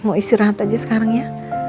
mau istirahat aja sekarang ya